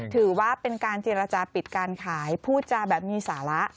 ถือว่าเป็นการเจรจาปิดการขายพูดจาแบบมีสาระ